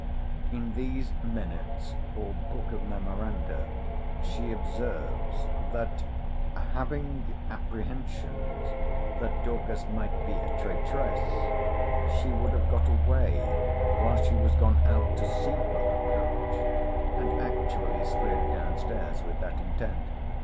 In these minutes, or book of memoranda, she observes, 'That having apprehensions that Dorcas might be a traitress, she would have got away while she was gone out to see for a coach; and actually slid down stairs with that intent.